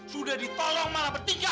sudah ditolong malah bertiga